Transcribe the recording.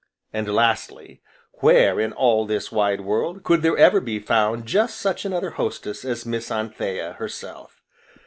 And, lastly, where, in all this wide world, could there ever be found just such another hostess as Miss Anthea, herself?